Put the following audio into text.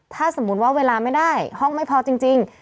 ถ้าเวลาไม่ได้ห้องไม่พอจริง